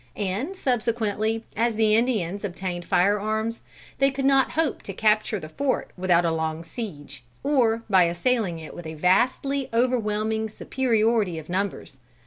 And subsequently, as the Indians obtained fire arms, they could not hope to capture the fort without a long siege, or by assailing it with a vastly overwhelming superiority of numbers.